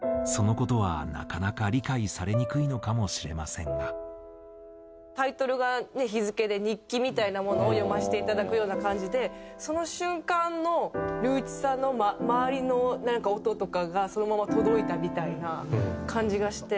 「すごいな」タイトルがね日付で日記みたいなものを読ませていただくような感じでその瞬間の龍一さんの周りの音とかがそのまま届いたみたいな感じがして。